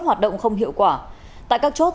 hoạt động không hiệu quả tại các chốt